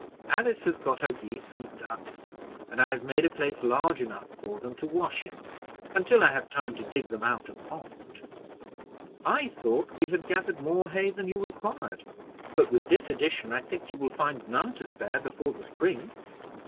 Alice has got her geese and ducks, and I have made a place large enough for them to wash in, until I have time to dig them out a pond." "I thought we had gathered more hay than you required; but with this addition, I think you will find none to spare before the spring."